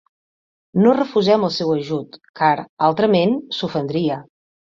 No refusem el seu ajut, car, altrament, s'ofendria.